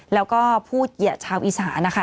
แล้วก็พูดเหยียดชาวอีสานนะคะ